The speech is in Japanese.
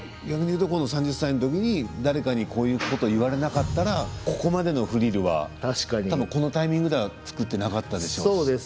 ３０歳のときに誰かにこういうことを言われなかったらここまでのフリルはこのタイミングでは作っていなかったでしょうし。